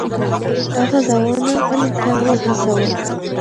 هغه ځوانان علم ته وهڅول.